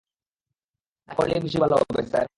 না করলেই বেশি ভালো হবে, স্যার।